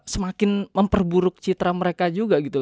semakin memperburuk citra mereka juga gitu